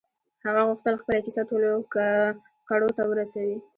هغه غوښتل خپله کيسه ټولو کڼو ته ورسوي.